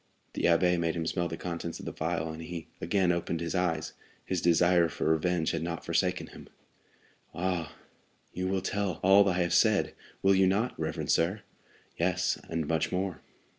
The abbé made him smell the contents of the phial, and he again opened his eyes. His desire for revenge had not forsaken him. "Ah, you will tell all I have said, will you not, reverend sir?" "Yes, and much more."